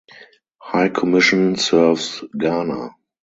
High Commission serves Ghana.